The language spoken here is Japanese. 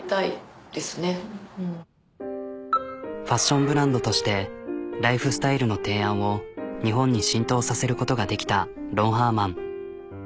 ファッションブランドとしてライフスタイルの提案を日本に浸透させることができたロンハーマン。